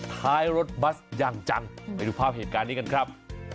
ท้ายรถบัสอย่างจังไปดูภาพเหตุการณ์นี้กันครับ